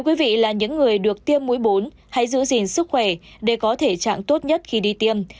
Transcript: quý vị là những người được tiêm mũi bốn hãy giữ gìn sức khỏe để có thể trạng tốt nhất khi đi tiêm